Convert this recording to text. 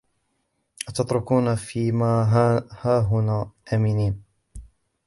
أَتُتْرَكُونَ فِي مَا هَاهُنَا آمِنِينَ